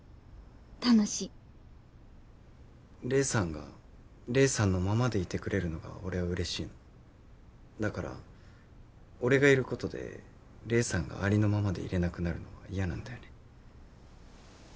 楽しい黎さんが黎さんのままでいてくれるのが俺は嬉しいのだから俺がいることで黎さんがありのままでいれなくなるのは嫌なんだよね